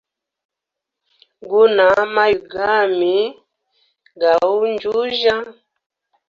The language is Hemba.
Guna maywi gami gauyujya?